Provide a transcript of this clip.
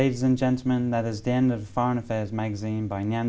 chúng tôi rất mong nhận được sự góp ý và trao đổi của quý vị và các bạn